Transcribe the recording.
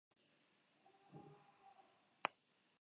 insuficiencia cardiaca